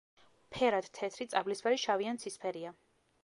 ფერად თეთრი, წაბლისფერი, შავი ან ცისფერია.